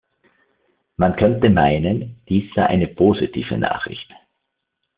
Man könnte meinen, dies sei eine positive Nachricht.